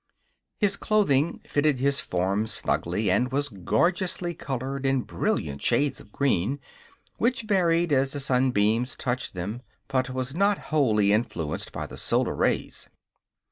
His clothing fitted his form snugly and was gorgeously colored in brilliant shades of green, which varied as the sunbeams touched them but was not wholly influenced by the solar rays.